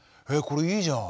これいいじゃん。